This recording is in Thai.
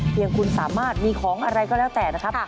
ยังคุณสามารถมีของอะไรก็แล้วแต่นะครับ